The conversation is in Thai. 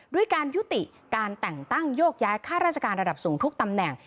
ด้วยการยุติการแต่งตั้งโยกย้ายค่าราชการระดับสูงทุกตำแหน่ง